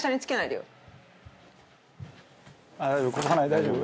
「大丈夫？